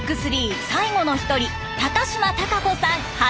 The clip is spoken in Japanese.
３最後の一人島孝子さん